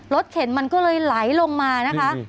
เข็นมันก็เลยไหลลงมานะคะ